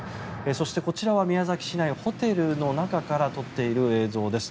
そして、こちらは宮崎市内ホテルの中から撮っている映像です。